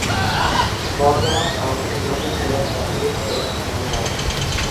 বর্তমান কাউন্টি নির্বাহী হলেন ক্যাথলিন এম. জিমিনো।